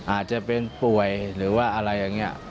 อาจจะเป็นป่วยหรือว่าอะไรอย่างนี้